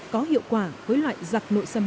có hiệu quả với loại giặc nội dung